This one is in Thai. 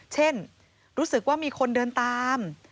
เช่นรู้สึกว่ามีคนเดินตาม